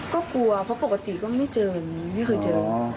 ก็กลัวเพราะปกติก็ไม่เจอแบบนี้ไม่เคยเจอ